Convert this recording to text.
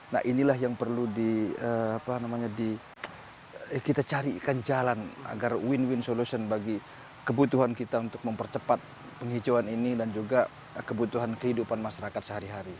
nah inilah yang perlu kita carikan jalan agar win win solution bagi kebutuhan kita untuk mempercepat penghijauan ini dan juga kebutuhan kehidupan masyarakat sehari hari